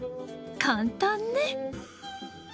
簡単ね。